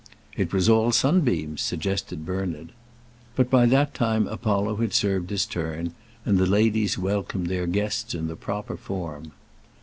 "It was all sunbeams," suggested Bernard. But by that time Apollo had served his turn, and the ladies welcomed their guests in the proper form.